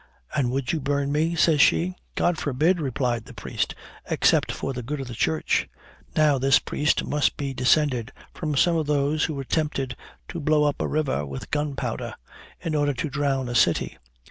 'And would you burn me?' says she. 'God forbid!' replied the priest, 'except for the good of the Church!' Now, this priest must be descended from some of those who attempted to blow up a river with gunpowder, in order to drown a city.